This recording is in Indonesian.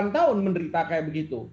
delapan tahun menderita kayak begitu